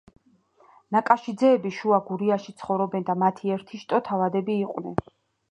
ნაკაშიძეები შუა გურიაში ცხოვრობდენ და მათი ერთი შტო თავადები იყვნენ.